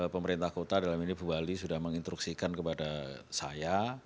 pemerintah kota dalam ini berbali sudah menginstruksikan kepada saya